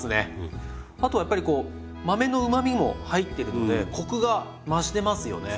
あとやっぱりこう豆のうまみも入ってるのでコクが増してますよね。